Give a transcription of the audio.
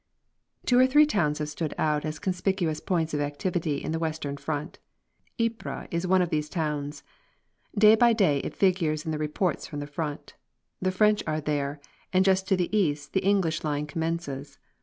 Two or three towns have stood out as conspicuous points of activity in the western field. Ypres is one of these towns. Day by day it figures in the reports from the front. The French are there, and just to the east the English line commences.